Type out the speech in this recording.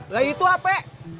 gak itu apa